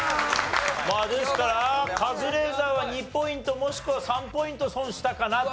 まあですからカズレーザーは２ポイントもしくは３ポイント損したかなと。